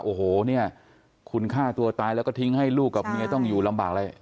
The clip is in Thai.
โอ้โหเนี่ยคุณฆ่าตัวตายแล้วก็ทิ้งให้ลูกกับเมียต้องอยู่ลำบากอะไร